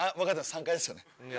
３階ですよね。